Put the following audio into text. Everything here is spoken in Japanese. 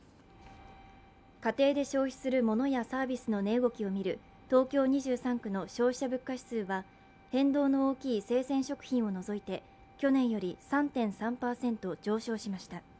家庭で消費するモノやサービスの値動きを見る東京２３区の消費者物価指数は、変動の大きい生鮮食品を除いて去年より３．３％上昇しました。